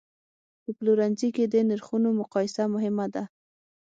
په پلورنځي کې د نرخونو مقایسه مهمه ده.